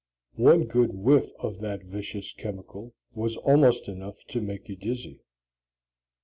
One good whiff of that vicious chemical was almost enough to make you dizzy.